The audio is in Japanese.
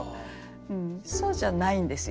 そうじゃないんですよね。